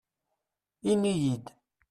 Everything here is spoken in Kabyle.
Ini-yi-d.